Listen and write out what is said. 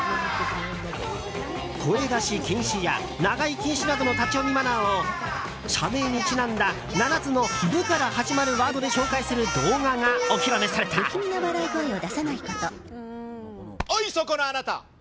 声出し禁止や長居禁止などの立ち読みマナーを社名にちなんだ７つの「ブ」から始まるワードで紹介する動画がおい、そこのあなた！